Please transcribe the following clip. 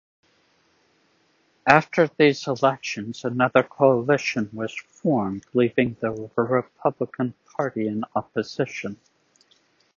After these elections another coalition was formed leaving the Republican Party in opposition.